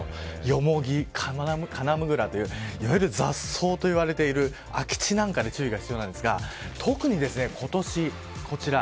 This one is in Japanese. ヨモギ、カナムグラといういわゆる雑草と言われている空き地なんかに注意が必要なんですが特に今年こちら。